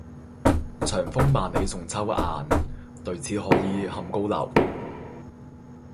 長風萬里送秋雁，對此可以酣高樓。